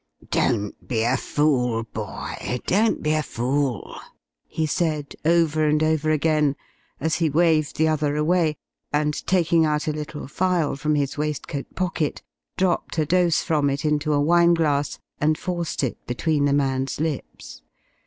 "Don't be a fool, boy don't be a fool!" he said over and over again, as he waved the other away, and, taking out a little phial from his waistcoat pocket, dropped a dose from it into a wine glass and forced it between the man's lips.